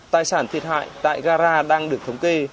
tài sản thiệt hại tại gara đang được thống kê